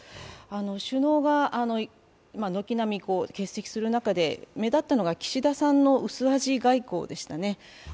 首脳が軒並み欠席する中で目立ったのは岸田さんの薄味外交でしたね。